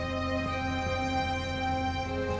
bukan disempiti neng